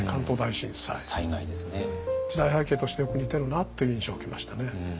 時代背景としてよく似てるなっていう印象を受けましたね。